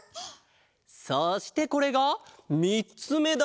そしてこれがみっつめだ。